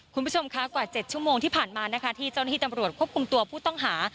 คุณผู้ชมคะกว่า๗ชั่วโมงที่ผ่านมานะคะที่เจ้าหน้าที่ตำรวจควบคุมตัวผู้ต้องหา